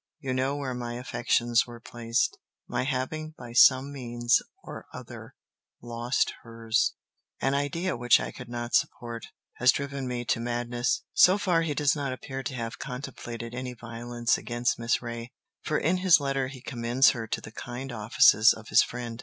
... You know where my affections were placed; my having by some means or other lost hers (an idea which I could not support) has driven me to madness." So far he does not appear to have contemplated any violence against Miss Reay, for in his letter he commends her to the kind offices of his friend.